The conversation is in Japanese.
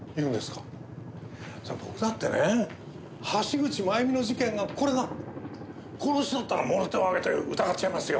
そりゃあ僕だってね橋口まゆみの事件がこれが殺しだったら諸手を挙げて疑っちゃいますよ。